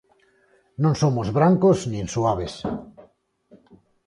Non somos brancos nin suaves.